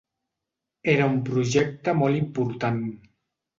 Era un projecte molt important.